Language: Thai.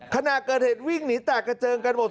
ขณะเกิดเหตุวิ่งหนีแตกกระเจิงกันหมด